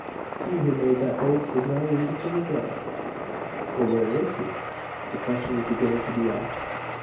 He who made that boast has now reason to regret it! "But where is he?" The question is beginning to be asked.